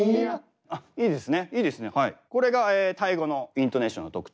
いいですね。